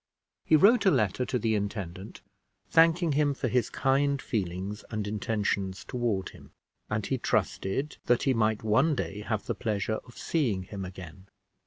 He wrote a letter to the intendant, thanking him for his kind feelings and intentions toward him, and he trusted that he might one day have the pleasure of seeing him again.